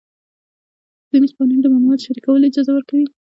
ځینې قوانین د معلوماتو شریکولو اجازه ورکوي.